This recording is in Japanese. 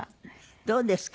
どうですか？